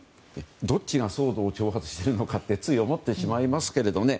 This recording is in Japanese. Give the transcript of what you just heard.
どっちが騒動を挑発しているのかってつい思ってしまいますけれどね。